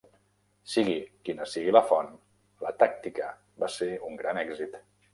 Sigui quina sigui la font, la tàctica va ser un gran èxit.